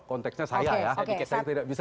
konteksnya saya ya saya tidak bisa